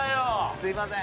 すいません。